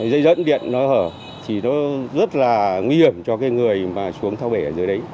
dây dẫn điện nó hở thì nó rất là nguy hiểm cho cái người mà xuống thao bể ở dưới đấy